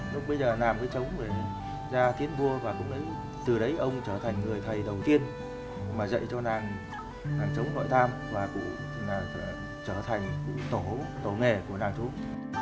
lúc bây giờ làng mới trống rồi ra tiến vua và cũng từ đấy ông trở thành người thầy đầu tiên mà dạy cho làng trống đoại tam và cũng trở thành cụ tổ nghề của làng trống